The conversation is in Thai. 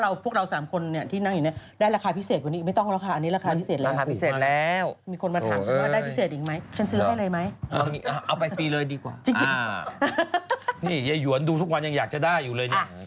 แล้วเราก็แอปเองแอปนอำมาล์